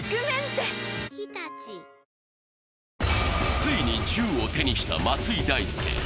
ついに銃を手にした松井大輔。